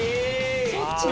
そっちだ。